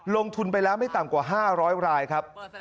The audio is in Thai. ลงทุนไปแล้วไม่ต่ำกว่า๕๐๐รายครับ